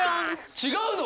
違うの？